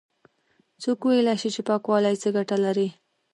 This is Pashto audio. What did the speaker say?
څوک ويلاى شي چې پاکوالی څه گټې لري؟